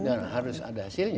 dan harus ada hasilnya